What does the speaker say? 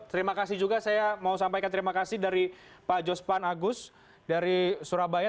terima kasih juga saya mau sampaikan terima kasih dari pak jospan agus dari surabaya